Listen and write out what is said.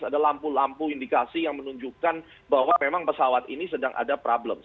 ada lampu lampu indikasi yang menunjukkan bahwa memang pesawat ini sedang ada problem